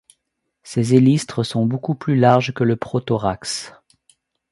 Ses élytres sont beaucoup plus larges que le prothorax.